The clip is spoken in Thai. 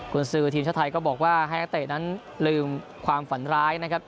คุณซื้อทีมชาติไทยก็บอกว่าให้นักเตะนั้นลืมความฝันร้ายนะครับ